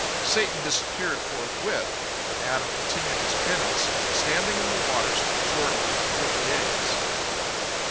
Satan disappeared forthwith, but Adam continued his penance, standing in the waters of the Jordan for forty days.